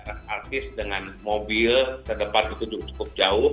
gimana artis dengan mobil sedepat itu cukup jauh